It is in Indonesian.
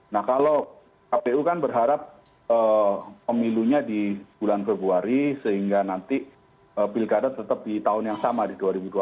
nah kalau kpu kan berharap pemilunya di bulan februari sehingga nanti pilkada tetap di tahun yang sama di dua ribu dua puluh empat